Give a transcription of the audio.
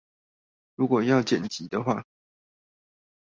如果要剪輯的話